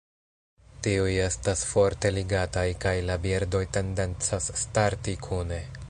Tiuj estas forte ligataj kaj la birdoj tendencas starti kune.